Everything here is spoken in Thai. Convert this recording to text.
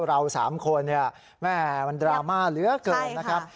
เรา๓คนเนี่ยแม่มันดราม่าเหลือเกินนะครับ